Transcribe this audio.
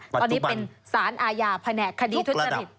ตอนนี้เป็นสารอาญาแผนกคดีทุจริต